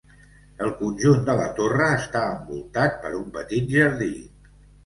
El conjunt de la torre està envoltat per un petit jardí.